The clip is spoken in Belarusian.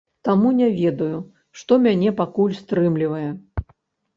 Таму, не ведаю, што мяне пакуль стрымлівае.